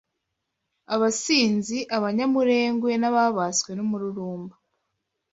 Abasinzi, abanyamurengwe, n’ababaswe n’umururumba